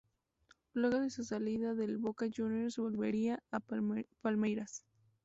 Luego de su salida del Boca Juniors volvería al Palmeiras.